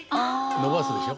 伸ばすでしょ。